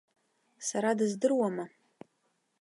Сара дыздыруама?